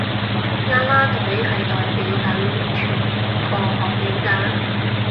啦啦隊係代表緊全個學院㗎